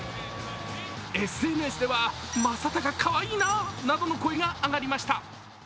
ＳＮＳではまさたかかわいいななどの声が上がりました。